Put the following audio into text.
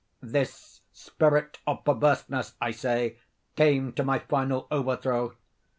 This spirit of perverseness, I say, came to my final overthrow.